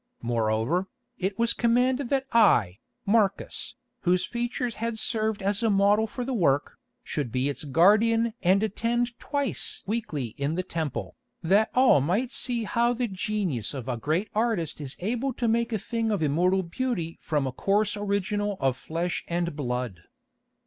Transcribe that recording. Moreover, it was commanded that I, Marcus, whose features had served as a model for the work, should be its guardian and attend twice weekly in the temple, that all might see how the genius of a great artist is able to make a thing of immortal beauty from a coarse original of flesh and blood.